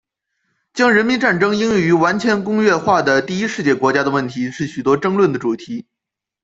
将人民战争应用于完全工业化的第一世界国家的问题是许多争论的主题。